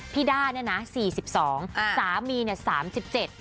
พี่ด้านี่นะ๔๒สามีเนี่ย๓๗